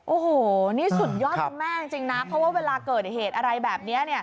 โอ้โหนี่สุดยอดคุณแม่จริงนะเพราะว่าเวลาเกิดเหตุอะไรแบบนี้เนี่ย